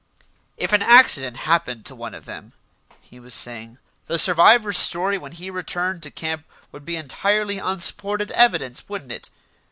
"If an accident happened to one of them," he was saying, "the survivor's story when he returned to camp would be entirely unsupported evidence, wouldn't it?